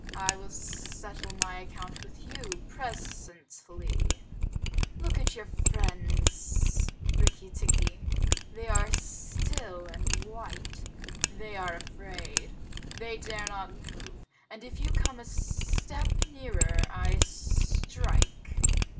"I will settle my account with you presently. Look at your friends, Rikki tikki. They are still and white. They are afraid. They dare not move, and if you come a step nearer I strike."